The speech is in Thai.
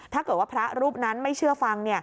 ถ้าเกิดว่าพระรูปนั้นไม่เชื่อฟัง